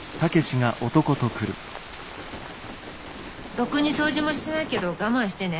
ろくに掃除もしてないけど我慢してね。